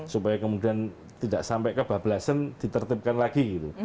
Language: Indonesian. supaya kemudian tidak sampai kebablasan ditertibkan lagi gitu